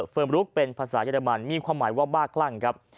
มรุกเป็นภาษาเยอรมันมีความหมายว่าบ้าคลั่งครับ